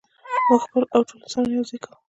موږ خپله او ټول انسانان یو ځای کوو.